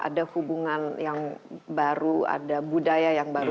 ada hubungan yang baru ada budaya yang baru